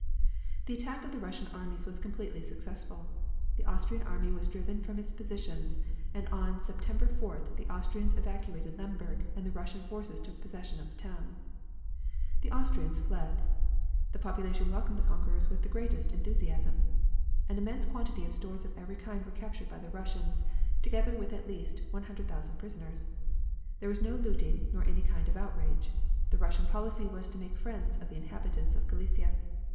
The attack of the Russian armies was completely successful. The Austrian army was driven from its positions, and on September 4th the Austrians evacuated Lemberg and the Russian forces took possession of the town. The Austrians fled. The population welcomed the conquerors with the greatest enthusiasm. An immense quantity of stores of every kind were captured by the Russians together with at least 100,000 prisoners. There was no looting, nor any kind of outrage. The Russian policy was to make friends of the inhabitants of Galicia.